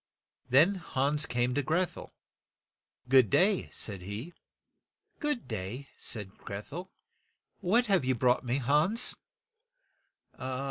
Then Hans came to Greth el. " Good day, " said he. "Good day," said Greth el. "What have you brought me, Hans?"